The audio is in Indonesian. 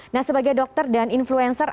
nah sebagai dokter dan influencer